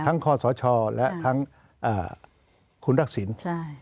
ทั้งคอสชและทั้งคุณภักษิณส์